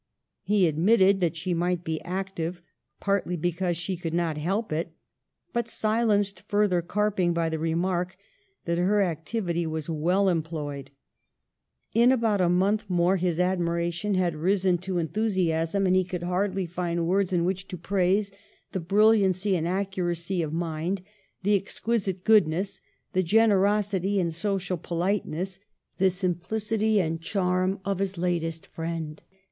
He admitted that she might be active partly because she could not help it ; but silenced further carping by the remark that her activity was well employed. In about a month more his admiration had risen to Digitized by VjOOQLC THE TRANSFORMED CAPITAL. 89 enthusiasm, and he could hardly find words in \ftrich to praise the brilliancy and accuracy of mind, the exquisite goodness, the generosity and social politeness, the simplicity and charm of his latest friend.